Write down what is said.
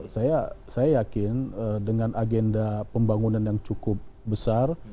saya yakin dengan agenda pembangunan yang cukup besar